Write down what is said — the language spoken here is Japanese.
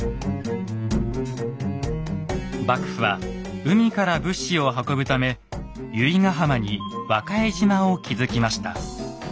幕府は海から物資を運ぶため由比ガ浜に和賀江島を築きました。